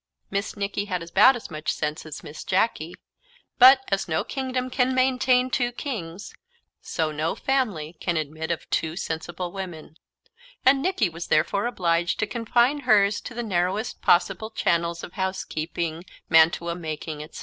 Miss Nicky had about as much sense as Miss Jacky; but, as no kingdom can maintain two kings, so no family can admit of two sensible women; and Nicky was therefore obliged to confine hers to the narrowest possible channels of housekeeping, mantua making, etc.